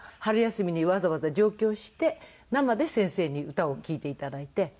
春休みにわざわざ上京して生で先生に歌を聞いて頂いて。